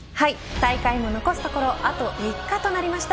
大会も残すところあと３日となりました。